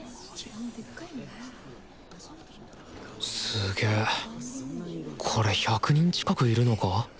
すげえこれ１００人近くいるのか？